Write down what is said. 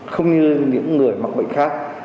không như những người mặc bệnh khác